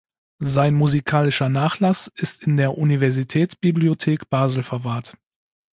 Sein musikalischer Nachlass ist in der Universitätsbibliothek Basel verwahrt.